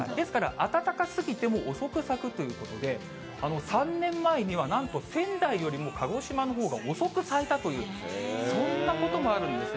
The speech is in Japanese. ですから暖かすぎても遅く咲くということで、３年前にはなんと仙台よりも鹿児島のほうが遅く咲いたという、そんなこともあるんですね。